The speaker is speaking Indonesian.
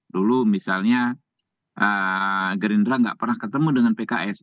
dulu misalnya gerindra nggak pernah ketemu dengan pks